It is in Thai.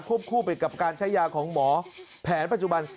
คู่ไปกับการใช้ยาของหมอแผนปัจจุบัน